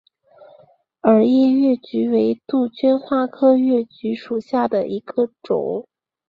耳叶越桔为杜鹃花科越桔属下的一个种。